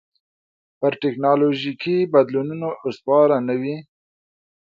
پر ټکنالوژیکي بدلونونو استواره نه وي.